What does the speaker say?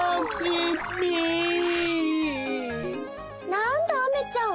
なんだアメちゃん